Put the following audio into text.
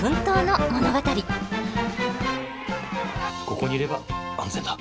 ここにいれば安全だ。